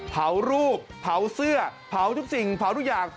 เผารูปเผาเสื้อเผาทุกสิ่งเผาทุกอย่าง